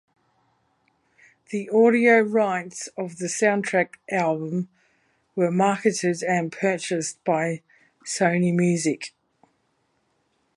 The audio rights of the soundtrack album were marketed and purchased by Sony Music.